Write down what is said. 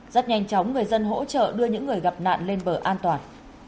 rất nhanh chóng người dân hỗ trợ đưa những người gặp nạn lên bờ an toàn